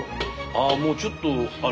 あもうちょっとあの。